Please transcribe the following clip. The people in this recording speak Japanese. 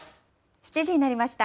７時になりました。